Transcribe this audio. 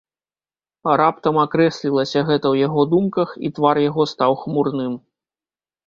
Раптам акрэслілася гэта ў яго думках, і твар яго стаў хмурным.